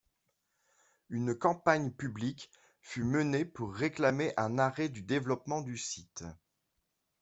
Une campagne publique fut menée pour réclamer un arrêt du développement du site.